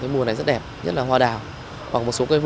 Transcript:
mùa này rất đẹp rất là hoa đào